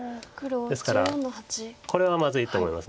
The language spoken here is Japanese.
ですからこれはまずいと思います。